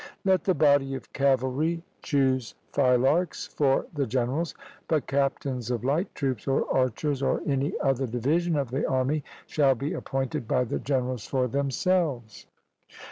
Let the body of cavalry choose phylarchs for the generals; but captains of light troops, or archers, or any other division of the army, shall be appointed by the generals for themselves.